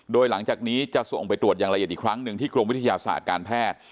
โดยหลังจากนี้จะส่งไปตรวจอย่างละเอียดอีกครั้งหนึ่งที่กรมวิทยาศาสตร์การแพทย์